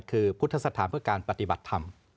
คือพุทธสถานเพื่อการปฏิบัติธรรม